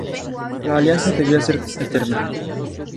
La alianza debía ser "eterna".